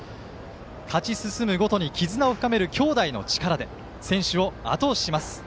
勝ち進むごとに絆を深めるきょうだいの力で選手をあと押しします。